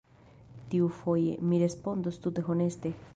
Tiufoje, mi respondos tute honeste!